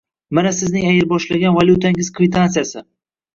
Mana sizning ayirboshlagan valyutangiz kvitantsiyasi.